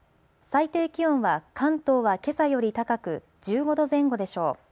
最低気温は関東はけさより高く１５度前後でしょう。